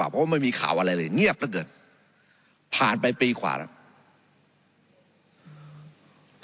เพราะว่าไม่มีข่าวอะไรเลยเงียบแล้วเดินผ่านไปปีขวารัก